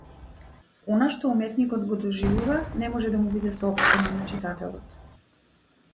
Она што уметникот го доживува, не може да му биде соопштено на читателот.